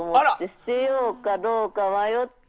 捨てようかどうか迷って。